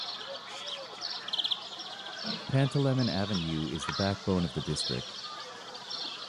Pantelimon Avenue is the backbone of the district.